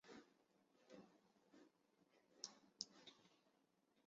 这项政策后来继续由联合邦政府推动。